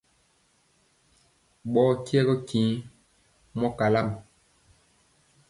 Ɓɔɔ nkye njiŋ mbɔ mɔ kalam.